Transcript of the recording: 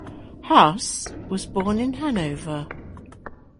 Hase was born in Hanover.